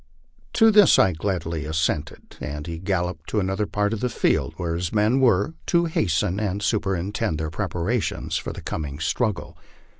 " To this I gladly assented, and he galloped to another part of the field, where his men were, to hasten and superintend their preparations for the coming struggle.